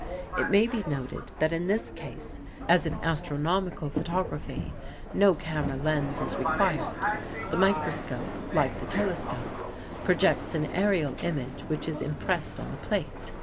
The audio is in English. It may be noted that in this case, as in astronomical photography, no camera lens is required; the microscope, like the telescope, projects an aërial image which is impressed on the plate.